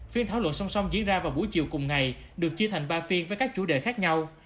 phiên thảo luận song song diễn ra vào buổi chiều cùng ngày được chia thành ba phiên với các chủ đề khác nhau